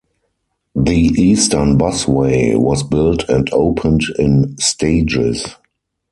The Eastern Busway was built and opened in stages.